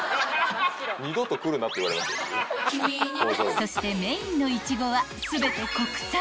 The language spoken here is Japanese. ［そしてメインのイチゴは全て国産］